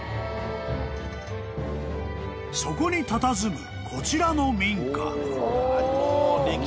［そこにたたずむこちらの民家］